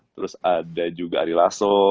terus ada juga arilaso